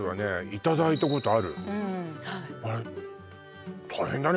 いただいたことあるあれ大変だね